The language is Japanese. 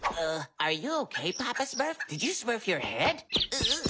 うっ。